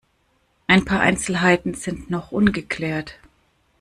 Ein paar Einzelheiten sind noch ungeklärt.